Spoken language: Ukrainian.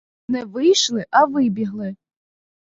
Не вийшли, а вибігли.